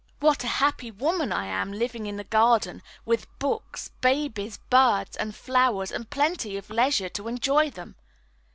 What a happy woman I am living in a garden, with books, babies, birds, and flowers, and plenty of leisure to enjoy them!